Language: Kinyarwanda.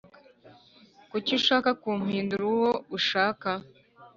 Kucyi ushaka kumindura uwo ushaka